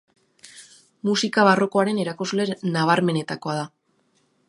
Musika barrokoaren erakusle nabarmenenetakoa da.